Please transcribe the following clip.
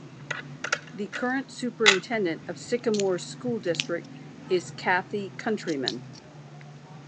The current Superintendent of Sycamore School District is Kathy Countryman.